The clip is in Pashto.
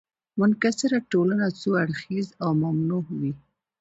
متکثره ټولنه څو اړخیزه او متنوع وي.